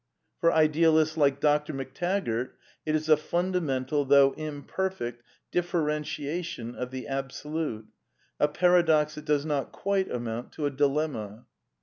For idealists like Pr. McTaggart it is a fundamental, though imperfect, "differentiation of the Absolute"; a parado x that does not quite amount to a dilemma.